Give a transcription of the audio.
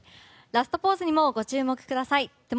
ラストポーズにもご注目ください。